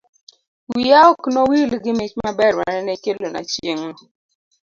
wiya ok no wil gi mich maber manene ikelona chieng'no.